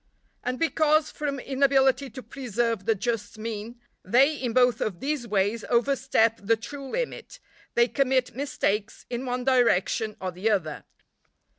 And because, from inability to preserve the just mean, they in both of these ways overstep the true limit, they commit mistakes in one direction or the other.